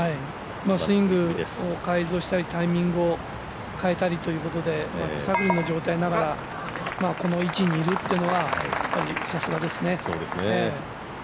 スイングを改造したりタイミングを変化したりと手探りの状態ながらこの位置にいるっていうのはさすがですね。